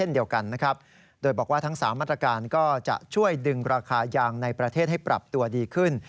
โดยบอกว่าทั้ง๓มาตรการก็จะช่วยดึงราคายางในประเทศให้ปรับตัวดีขึ้น